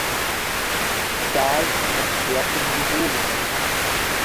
Dahl in Antwerpen geboren.